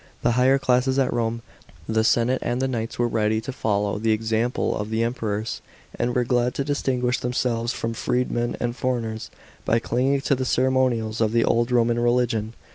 The higher classes at Rome, the senate and the knights, were readv to follow the example of the Emperors, and were glad to distinguish them selves from freedmen and foreigners by clinging to the ceremonials of the old Roman religion.